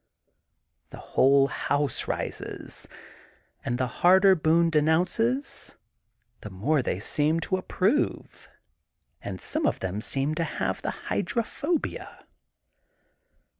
The whole house rises, and the harder Boone denounces, the more they seem to ap prove, and some of them seem to have the hydrophobia.